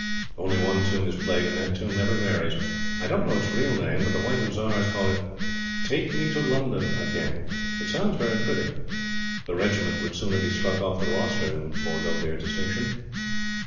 Only one tune is played, and that tune never varies. I don't know its real name, but the White Hussars call it: "Take me to London again." It sound's very pretty. The Regiment would sooner be struck off the roster than forego their distinction.